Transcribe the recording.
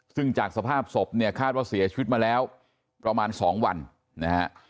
ซึ่งจากสภาพศพเนี่ยคาดว่าเสียชีวิตมาแล้วประมาณ๒วันนะฮะ